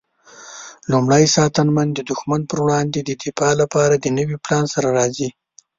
لومړی ساتنمن د دښمن پر وړاندې د دفاع لپاره د نوي پلان سره راځي.